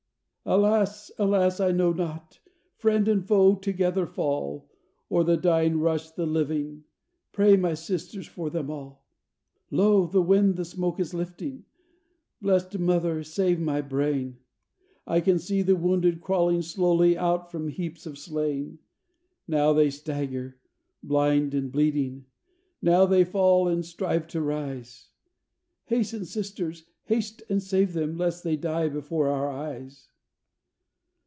"Alas, alas! I know not, friend and foe together fall, O'er the dying rush the living; pray my Sisters for them all." "Lo! the wind the smoke is lifting; Blessed Mother save my brain! I can see the wounded crawling slowly out from heaps of slain. Now they stagger, blind and bleeding; now they fall and strive to rise; Hasten, Sisters, haste and save them, lest they die before our eyes.